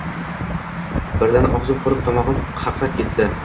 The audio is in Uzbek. Birdan og‘zim qurib, tomog‘im qaqrab ketdi